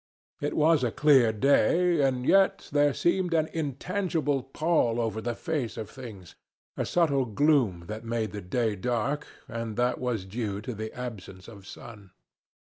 It was a clear day, and yet there seemed an intangible pall over the face of things, a subtle gloom that made the day dark, and that was due to the absence of sun.